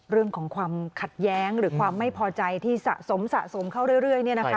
เรื่องของความขัดแย้งหรือความไม่พอใจที่สะสมสะสมเข้าเรื่อย